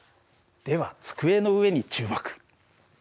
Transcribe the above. では机の上に注目。